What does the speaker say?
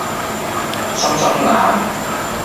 心心眼